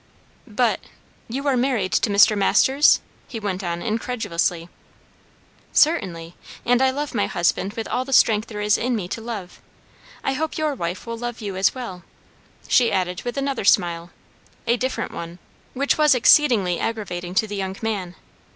"But you are married to Mr. Masters?" he went on incredulously. "Certainly. And I love my husband with all the strength there is in me to love. I hope your wife will love you as well," she added with another smile, a different one, which was exceedingly aggravating to the young man.